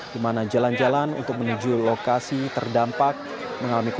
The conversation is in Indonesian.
dimana jalan jalan untuk menuju lokasi terdampak mengalami korban